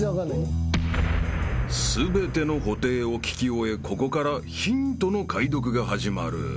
［全ての布袋を聴き終えここからヒントの解読が始まる］